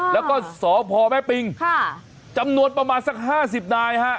แล้วก็สพแม่ปิงจำนวนประมาณสัก๕๐นายฮะ